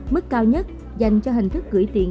mức cao nhất dành cho hình thức gửi tiền